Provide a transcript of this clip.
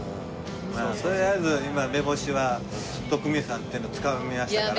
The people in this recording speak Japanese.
とりあえず今目星は徳光さんっていうのをつかみましたから。